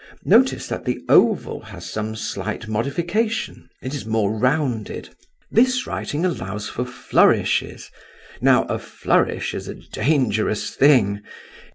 Notice that the oval has some slight modification—it is more rounded. This writing allows for flourishes; now a flourish is a dangerous thing!